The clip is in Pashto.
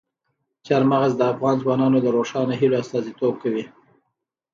چار مغز د افغان ځوانانو د روښانه هیلو استازیتوب کوي.